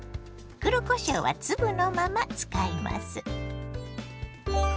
黒こしょうは粒のまま使います。